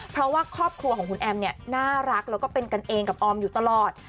เพราะว่าครอบครัวของคุณแอมเนี่ยน่ารักแล้วก็เป็นกันเองกับออมอยู่ตลอด